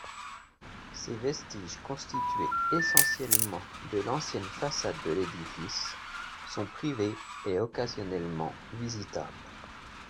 Ses vestiges, constitués essentiellement de l'ancienne façade de l'édifice, sont privés et occasionnellement visitables.